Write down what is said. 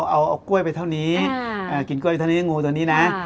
เอากล้วยไปเท่านี้กินกล้วยเท่านี้งูตัวนี้นะ